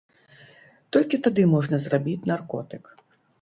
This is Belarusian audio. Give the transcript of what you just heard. Толькі тады можна зрабіць наркотык.